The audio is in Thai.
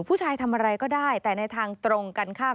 ผู้ชายทำอะไรก็ได้แต่ในทางตรงกันข้าม